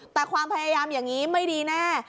แต่ความพยายามอย่างนี้ไม่ดีแน่